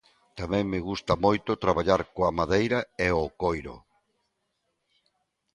Tamén me gusta moito traballar coa madeira e o coiro.